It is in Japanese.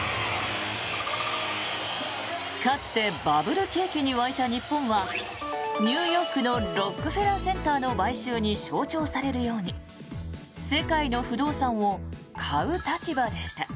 かつてバブル景気に沸いた日本はニューヨークのロックフェラー・センターの買収に象徴されるように世界の不動産を買う立場でした。